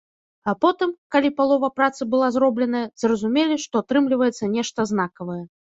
А потым, калі палова працы была зробленая, зразумелі, што атрымліваецца нешта знакавае.